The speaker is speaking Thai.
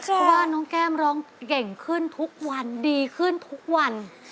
เพราะว่าน้องแก้มร้องเก่งขึ้นทุกวันดีขึ้นทุกวัน